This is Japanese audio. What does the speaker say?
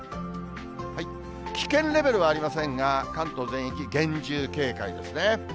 危険レベルはありませんが、関東全域厳重警戒ですね。